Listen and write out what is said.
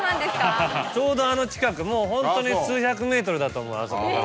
ちょうどあの近くもうホントに数百ｍだと思うあそこから。